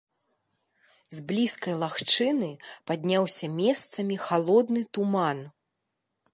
З блізкай лагчыны падняўся месцамі халодны туман.